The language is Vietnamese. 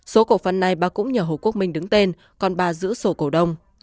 số cổ phần này bà cũng nhờ hồ quốc minh đứng tên còn bà giữ sổ cổ đông